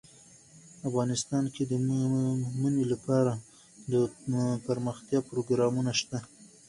افغانستان کې د منی لپاره دپرمختیا پروګرامونه شته.